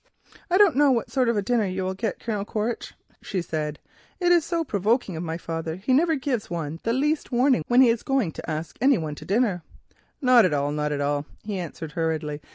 "I don't know what sort of dinner you will get, Colonel Quaritch," she said; "it is so provoking of my father; he never gives one the least warning when he is going to ask any one to dinner." "Not at all—not at all," he answered hurriedly.